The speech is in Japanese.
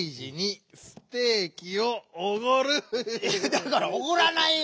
だからおごらないよ！